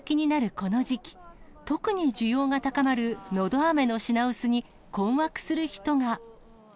この時期、特に需要が高まるのどあめの品薄に、困惑する人が。